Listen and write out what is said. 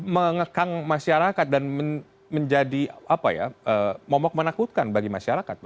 mengekang masyarakat dan menjadi momok menakutkan bagi masyarakat